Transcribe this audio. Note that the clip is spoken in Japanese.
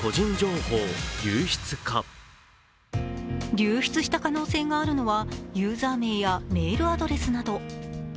流出した可能性があるのはユーザー名やメールアドレスなど。